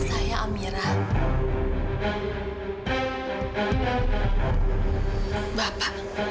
sudah berjalan ke rumah